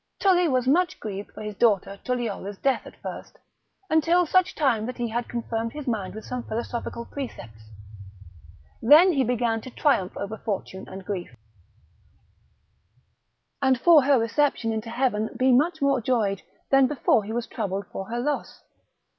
Tully was much grieved for his daughter Tulliola's death at first, until such time that he had confirmed his mind with some philosophical precepts, then he began to triumph over fortune and grief, and for her reception into heaven to be much more joyed than before he was troubled for her loss.